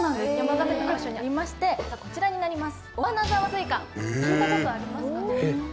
山形県のある場所にありましてそれがこちらになります